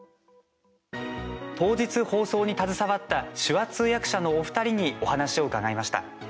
当日、放送に携わった手話通訳者のお二人にお話を伺いました。